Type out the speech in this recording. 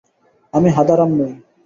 আমি হাঁদারাম নই।